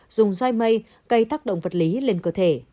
dùng doi mây cây thắc động vật lý lên cơ thể